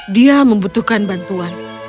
dia membutuhkan bantuan